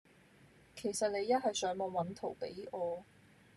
其實你一係上網搵圖比我